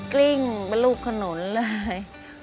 กลิ้งไปลูกถนนเลย